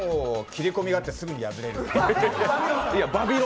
切り込みがあってすぐに破れる。